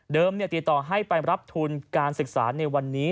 ติดต่อให้ไปรับทุนการศึกษาในวันนี้